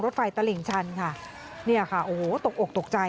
ไฟตลิ่งชันค่ะเนี่ยค่ะโอ้โหตกอกตกใจ